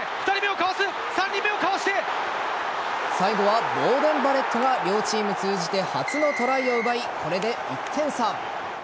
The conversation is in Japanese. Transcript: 最後はボーデン・バレットが両チーム通じて初のトライを奪いこれで１点差。